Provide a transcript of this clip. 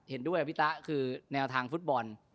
เห็นด้วยพี่ตะคือแนวทางฟุตบอล